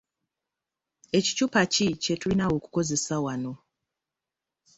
Ekicupa ki kye tulina okukozesa wano?